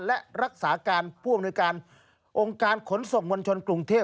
และรักษาการผู้อำนวยการองค์การขนส่งมวลชนกรุงเทพ